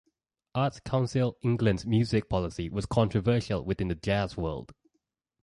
Arts Council England's music policy was controversial within the jazz world.